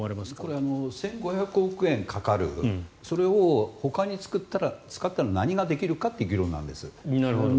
これ、１５００億円かかるそれをほかに使ったら何ができるかという議論なんです。